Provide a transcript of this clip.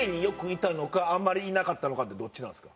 あんまりいなかったのかってどっちなんですか？